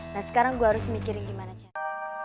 nah sekarang gue harus mikirin gimana caranya